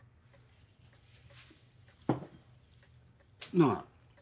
なあ。